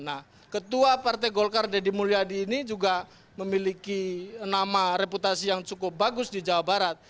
nah ketua partai golkar deddy mulyadi ini juga memiliki nama reputasi yang cukup bagus di jawa barat